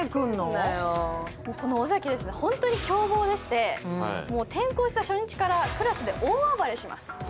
尾崎は本当に凶暴でして、転校した初日からクラスで大暴れします。